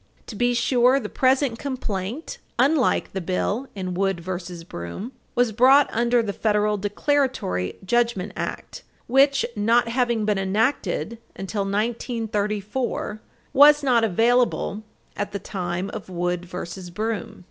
To be sure, the present complaint, unlike the bill in Wood v. Broom, was brought under the Federal Declaratory Judgment Act which, not having been enacted until 1934, was not available at the time of Wood v. Broom.